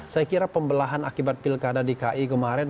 saya kira pembelahan akibat pilkada di ki kemarin